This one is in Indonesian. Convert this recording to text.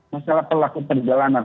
masalah pelaku perjalanan